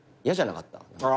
嫌じゃなかった？